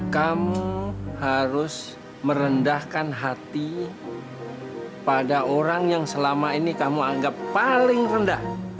kamu harus merendahkan hati pada orang yang selama ini kamu anggap paling rendah